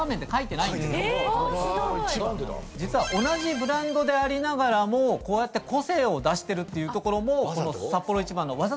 同じブランドでありながらもこうやって個性を出してるっていうところもサッポロ一番の。